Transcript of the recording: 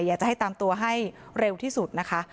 อยากจะให้ตามตัวให้เร็วที่สุดนะคะ